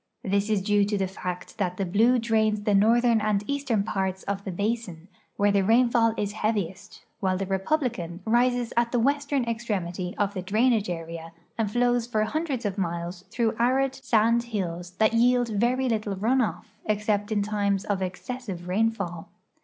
This is due to the fact that the Blue drains the northern and eastern parts of the basin, where the rainfall is heaviest, Avhile the Republican rises at the western extremit}' of the drainage area and flows for hundreds of miles through arid sand hills that yield very little run off, except in times of ex cessive rainfall.